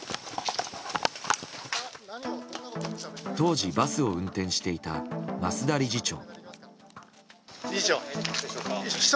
当時、バスを運転していた増田理事長。